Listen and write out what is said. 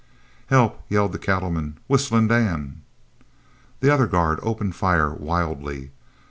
"Help!" yelled the cattleman. "Whistling Dan!" The other guard opened fire wildly.